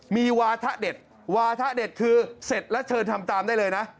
มีวาทะเด็ดวาทะเด็ดคือเสร็จแล้วเชิญทำตามได้เลยนะ